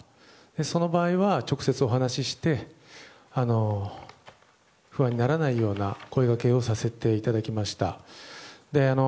その場合は直接お話をして不安にならないような声掛けをさせていただきました。